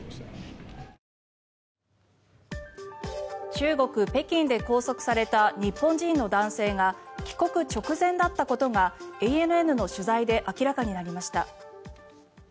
中国・北京で拘束された日本人の男性が帰国直前だったことがＡＮＮの取材で明らかになりました。